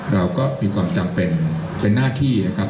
เราก็มีความจำเป็นเป็นหน้าที่นะครับ